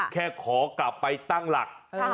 ขอกลับไปตั้งหลัก